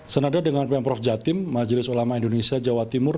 senada dengan pemprov jatim majelis ulama indonesia jawa timur